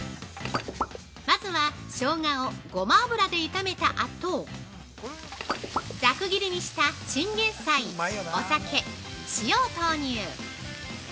まずは、しょうがをごま油で炒めたあとざく切りにしたチンゲンサイ、お酒、塩を投入。